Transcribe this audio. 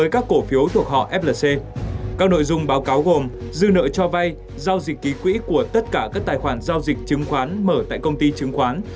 các cổ phiếu thuộc nội dung báo cáo gồm dư nợ cho vay giao dịch ký quỹ của tất cả các tài khoản giao dịch chứng khoán mở tại công ty chứng khoán